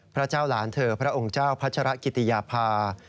พระเจ้าหลานเธอพระองค์เจ้าพัชรกิติยาภา